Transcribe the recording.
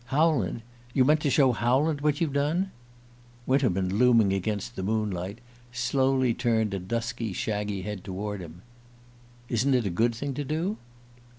"Howland you meant to show Howland what you've done?" Winterman, looming against the moonlight, slowly turned a dusky shaggy head toward him. "Isn't it a good thing to do?"